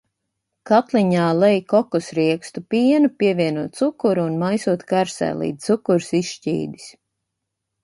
Katliņā lej kokosriekstu pienu, pievieno cukuru un maisot karsē, līdz cukurs izšķīdis.